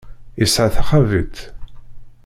Isɛa taxabit.